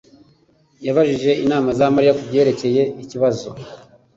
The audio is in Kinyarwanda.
yabajije inama za Mariya kubyerekeye ikibazo